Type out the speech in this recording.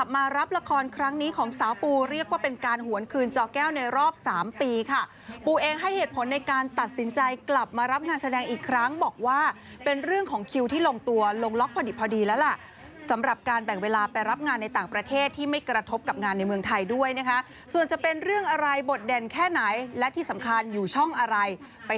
มารับละครครั้งนี้ของสาวปูเรียกว่าเป็นการหวนคืนจอแก้วในรอบสามปีค่ะปูเองให้เหตุผลในการตัดสินใจกลับมารับงานแสดงอีกครั้งบอกว่าเป็นเรื่องของคิวที่ลงตัวลงล็อกพอดีพอดีแล้วล่ะสำหรับการแบ่งเวลาไปรับงานในต่างประเทศที่ไม่กระทบกับงานในเมืองไทยด้วยนะคะส่วนจะเป็นเรื่องอะไรบทเด่นแค่ไหนและที่สำคัญอยู่ช่องอะไรไป